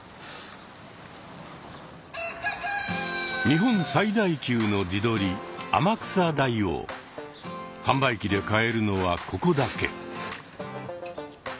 日本最大級の地鶏販売機で買えるのはここだけ。